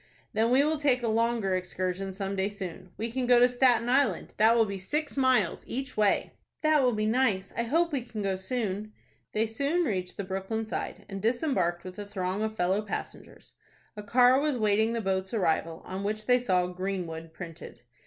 "Then we will take a longer excursion some day soon. We can go to Staten Island. That will be six miles each way." "That will be nice. I hope we can go soon." They soon reached the Brooklyn side, and disembarked with the throng of fellow passengers. A car was waiting the boat's arrival, on which they saw "GREENWOOD" printed.